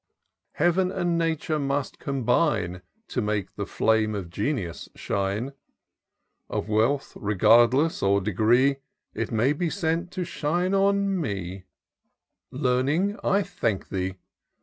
Heaven and Nature must combine To make the flame of genius shine ; Of wealth regardless or degree, It may be sent to shine on me. IN SEARCH OF THE PICTURESQUE. 345 Learnings I thank thee